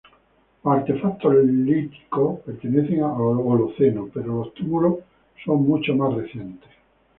Los artefactos líticos pertenecen al Holoceno, pero los túmulos son mucho más recientes.